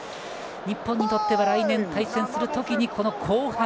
日本にとっては来年、対戦する時に後半